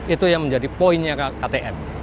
itu yang menjadi poinnya ktm